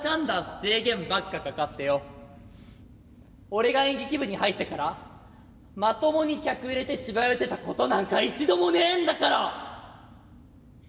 俺が演劇部に入ってからまともに客入れて芝居打てたことなんか一度もねえんだから！